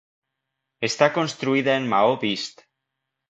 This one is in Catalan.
Està construïda en maó vist.